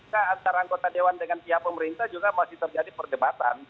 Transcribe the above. dan juga antara anggota dewan dengan pihak pemerintah juga masih terjadi perdebatan